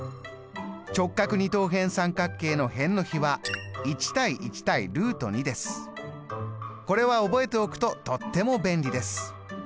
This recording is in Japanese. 直角二等辺三角形の辺の比はこれは覚えておくととっても便利です。